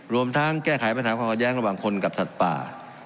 รวมทั้งแก้ไขปัญหาความขัดแย้งระหว่างคนกับสัตว์ป่า